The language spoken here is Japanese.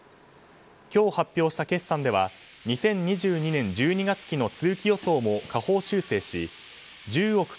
今日発表した決算では２０２２年１２月期の通期予想も下方修正し１０億９００万